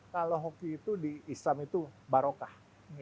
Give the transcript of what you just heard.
kalau hoki itu di islam itu barokah